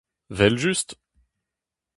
'Vel-just !